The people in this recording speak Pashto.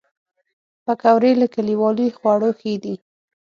پکورې له کلیوالي خواړو ښې دي